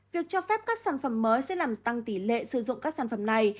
việc cho phép các sản phẩm mới sẽ làm tăng tỷ lệ sử dụng các sản phẩm này